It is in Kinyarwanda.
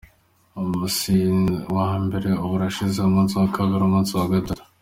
Umunsi wa mbere uba urashize, umunsi wa kabiri, umunsi wa gatatu.